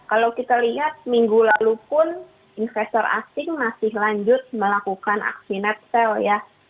kalau kita lihat minggu lalu pun investor asing masih lanjut melakukan aksi net sale ya